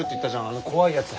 あの怖いやつ。